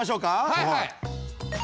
はいはい。